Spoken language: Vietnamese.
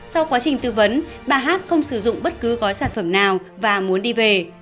sau quá trình tư vấn bà hát không sử dụng bất cứ gói sản phẩm nào và muốn đi về